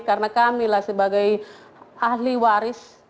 karena kamilah sebagai ahli waris